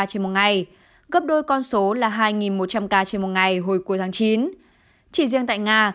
trên một ngày gấp đôi con số là hai một trăm linh ca trên một ngày hồi cuối tháng chín chỉ riêng tại nga